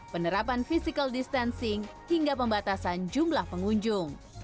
penerapan physical distancing hingga pembatasan jumlah pengunjung